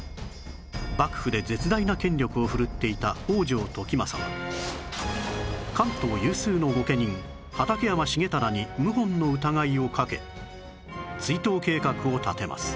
幕府で絶大な権力を振るっていた北条時政は関東有数の御家人畠山重忠に謀反の疑いをかけ追討計画を立てます